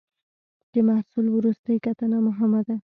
د محصول وروستۍ کتنه مهمه ده.